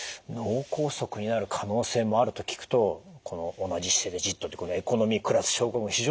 脳梗塞になる可能性もあると聞くとこの同じ姿勢でじっとってこのエコノミークラス症候群